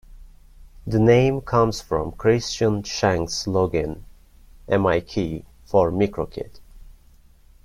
The name comes from Christian Schenk's login: MiK for Micro-Kid.